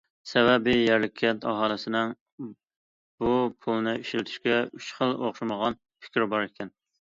سەۋەبى، يەرلىك كەنت ئاھالىسىنىڭ بۇ پۇلنى ئىشلىتىشكە ئۈچ خىل ئوخشىمىغان پىكرى بار ئىكەن.